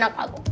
mau kemana pak